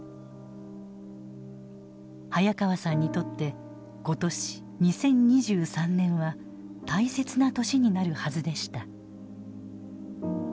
早川さんにとって今年２０２３年は大切な年になるはずでした。